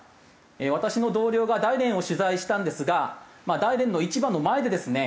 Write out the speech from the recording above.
私の同僚が大連を取材したんですが大連の市場の前でですね